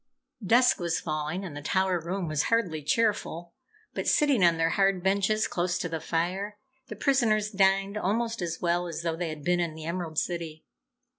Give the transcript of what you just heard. Dusk was falling and the tower room was hardly cheerful, but sitting on their hard benches close to the fire, the prisoners dined almost as well as though they had been in the Emerald City.